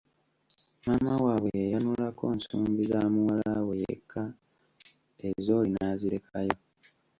Maama waabwe yayanulako nsumbi za muwala we yekka ez’oli nazirekayo.